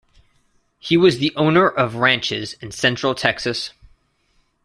He was the owner of ranches in Central Texas.